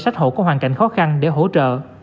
sách hộ có hoàn cảnh khó khăn để hỗ trợ